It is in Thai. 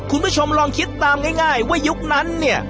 คุณผู้ชมลองคิดตามง่ายว่ายุคนั้นเนี่ย